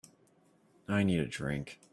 I need a drink.